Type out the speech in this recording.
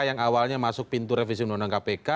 yang awalnya masuk pintu revisi undang undang kpk